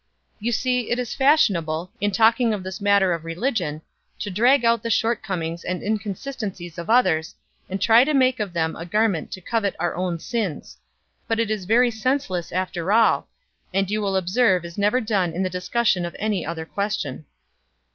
You see it is fashionable, in talking of this matter of religion, to drag out the shortcomings and inconsistencies of others, and try to make of them a garment to covet our own sins; but it is very senseless, after all, and you will observe is never done in the discussion of any other question."